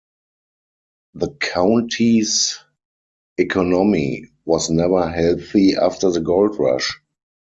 The county's economy was never healthy after the gold rush.